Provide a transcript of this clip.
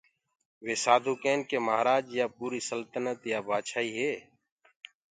۔ وي سآڌوٚ ڪين ڪي مهآرآج يآ پوٚريٚ سلتنت يآ بآڇآئيٚ هي